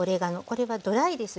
これはドライです。